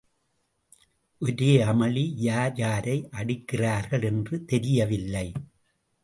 ஒரே அமளி... யார், யாரை அடிக்கிறார்கள் என்று தெரியவில்லை.